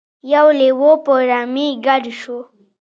یو لیوه په رمې ګډ شو.